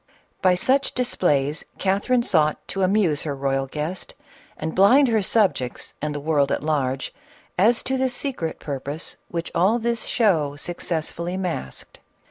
By such displays Catherine sought to amuse her royal guest, and blind her subjects and the world at large, as to the secret purpose which all this show suc cessfully masked.